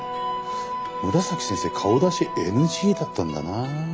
紫先生顔出しＮＧだったんだな。